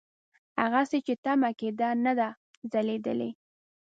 هغسې چې تمه کېده نه ده ځلېدلې.